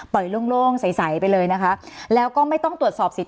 โล่งใสไปเลยนะคะแล้วก็ไม่ต้องตรวจสอบสิทธ